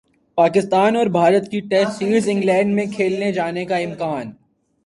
پاکستان اور بھارت کی test series England میں کھیلے جانے کا امکان